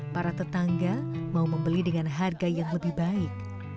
para tetangga mau membeli dengan harga yang lebih baik